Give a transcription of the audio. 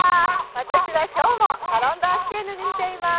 私は今日もサロン・ド・アキテーヌに来ています。